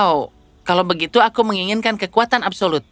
oh kalau begitu aku menginginkan kekuatan absolut